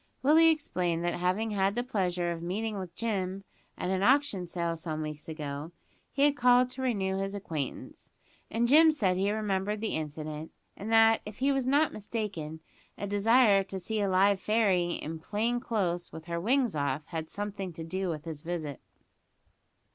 Willie explained that, having had the pleasure of meeting with Jim at an auction sale some weeks ago, he had called to renew his acquaintance; and Jim said he remembered the incident and that, if he was not mistaken, a desire to see a live fairy in plain clo'se, with her wings off, had something to do with his visit.